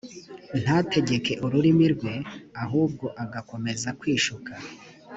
ntategeke ururimi rwe ahubwo agakomeza kwishuka